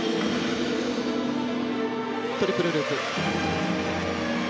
トリプルループ。